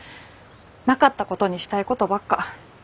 なかったことにしたいことばっか。